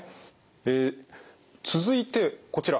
え続いてこちら。